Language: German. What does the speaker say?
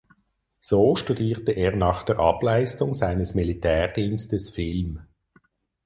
So studierte er nach der Ableistung seines Militärdienstes Film.